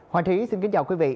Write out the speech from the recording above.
hoàng trí xin kính chào quý vị